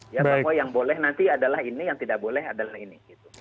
ya bahwa yang boleh nanti adalah ini yang tidak boleh adalah ini